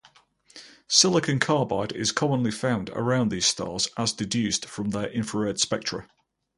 Silicon carbide is commonly found around these stars, as deduced from their infrared spectra.